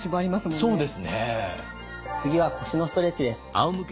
次は腰のストレッチです。